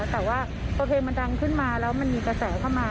แต่ว่าพอเพลงมันดังขึ้นมาแล้วมันมีกระแสเข้ามา